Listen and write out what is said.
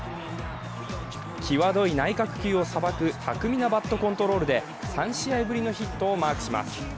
きわどい内角球をさばく巧みなバットコントロールで３試合ぶりのヒットをマークします